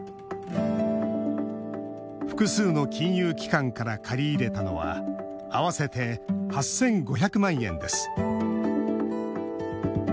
複数の金融機関から借り入れたのは合わせて８５００万円です。